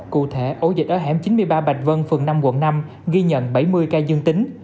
cụ thể ổ dịch ở hẻm chín mươi ba bạch vân phường năm quận năm ghi nhận bảy mươi ca dương tính